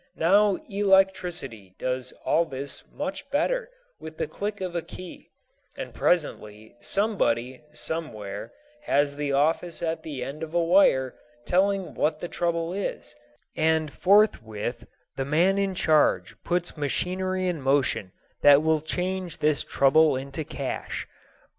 Now electricity does all this much better with the click of a key; and presently somebody, somewhere, has the office at the end of a wire telling what the trouble is, and forthwith the man in charge puts machinery in motion that will change this trouble into cash.